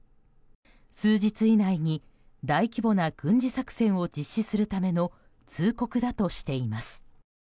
数日以内に、大規模な軍事作戦を実施するための通告だとしています。